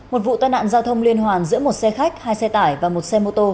một vụ tai nạn giao thông liên hoàn giữa một xe khách hai xe tải và một xe mô tô